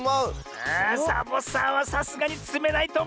あサボさんはさすがにつめないとおもうな！